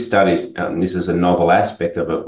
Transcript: studi ini adalah aspek yang novel